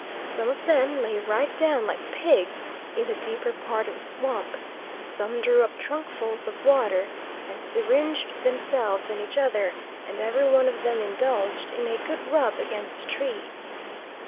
Some of them lay right down like pigs in the deeper part of the swamp, some drew up trunkfuls of water and syringed themselves and each other, and every one of them indulged in a good rub against a tree.